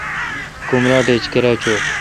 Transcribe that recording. کمراٹ ایچ کیرا چوں ۔